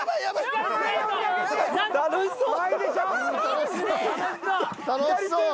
楽しそう。